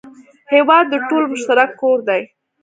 هېواد د ټولو مشترک کور دی.